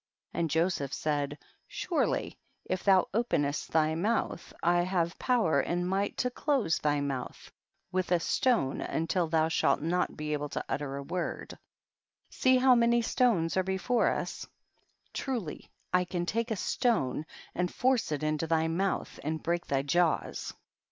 And Joseph said, surely if thou openest thy mouth I have power and might to close thy mouth with a stone until thou shalt not be able to utter a word ; see how many stones are before us, truly I can take a stone, and force it into thy mouth and break thy jaws.